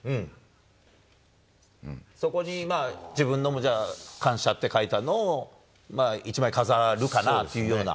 そこにまあ、自分のもじゃあ、感謝って書いたのを一枚飾るかなというような。